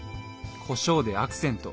こしょうでアクセント。